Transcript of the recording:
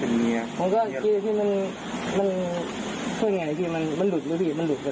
ผมก็มองเลยอีกทีแล้วหลอกมันทามาอยู่แล้วกินดูที